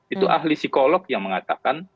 itu ahli psikolog yang mengatakan